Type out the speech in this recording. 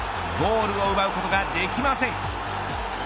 ゴールを奪うことができません。